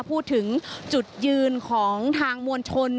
พูดถึงจุดยืนของทางมวลชน